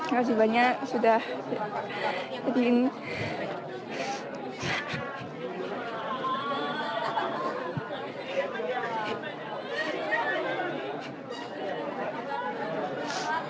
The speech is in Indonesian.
makasih banyak sudah jadi ini